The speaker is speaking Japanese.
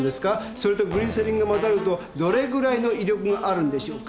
それとグリセリンが混ざるとどれぐらいの威力があるんでしょうか？